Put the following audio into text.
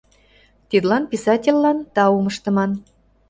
Тидлан писательлан таум ыштыман.